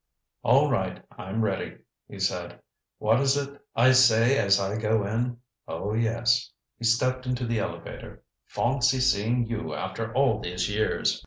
"All right, I'm ready," he said. "What is it I say as I go in? Oh, yes " He stepped into the elevator "Fawncy seeing you after all these years."